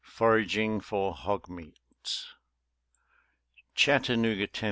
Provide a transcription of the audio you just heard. XV FORAGING FOB HOG MEAT Chattanooga, Tenn.